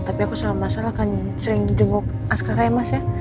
tapi aku selama masalah kan sering jenguk askara ya mas ya